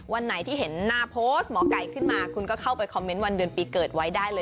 วันไหนที่เห็นหน้าโพสต์หมอไก่ขึ้นมาคุณก็เข้าไปคอมเมนต์วันเดือนปีเกิดไว้ได้เลย